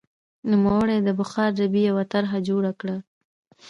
نوموړي د بخار ډبې یوه طرحه جوړه کړه.